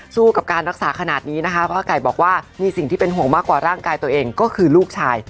กับการรักษาขนาดนี้นะคะพ่อไก่บอกว่ามีสิ่งที่เป็นห่วงมากกว่าร่างกายตัวเองก็คือลูกชาย